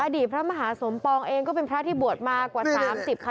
อดีตพระมหาสมปองเองก็เป็นพระที่บวชมากว่า๓๐พันศาสตร์